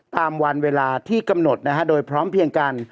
ตามวันเวลาที่กำหนดโดยพร้อมเพียงกัน